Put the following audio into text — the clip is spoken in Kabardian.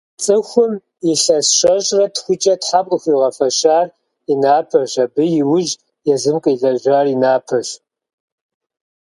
Цӏыхум илъэс щэщӏрэ тхукӏэ Тхьэм къыхуигъэфэщар и напэщ, абы иужь езым къилэжьар и напэщ.